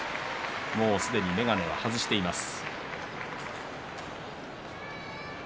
もうすでに眼鏡は外しています。